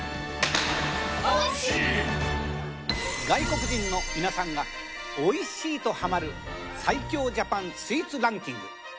外国人の皆さんがおいしいとハマる最強ジャパンスイーツランキング。